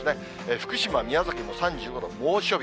福島、宮崎も３５度、猛暑日。